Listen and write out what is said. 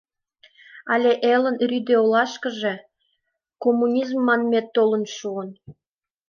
Ала элын рӱдӧ олашкыже коммунизм манмет толын шуын?